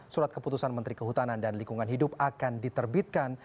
surat keputusan menteri kehutanan dan lingkungan hidup akan diterbitkan